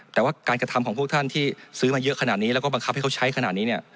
แต่ว่าการกระทำของพวกท่านที่ซื้อมาเยอะขนาดนี้แล้วก็บังคับให้เขาใช้ขนาดนี้เนี่ย